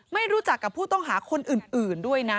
ไม่รู้จักกับผู้ต้องหาคนอื่นด้วยนะ